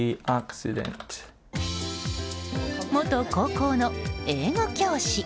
元高校の英語教師。